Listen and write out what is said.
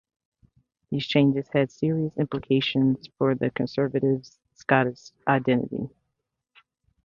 These changes had serious implications for the Conservatives' Scottish identity.